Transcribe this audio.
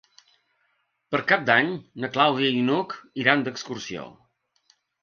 Per Cap d'Any na Clàudia i n'Hug iran d'excursió.